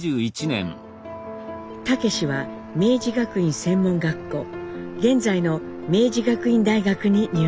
武は明治学院専門学校現在の明治学院大学に入学します。